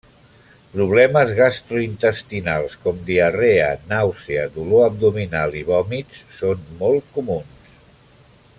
Problemes gastrointestinals com diarrea, nàusea, dolor abdominal, i vòmits, són molt comuns.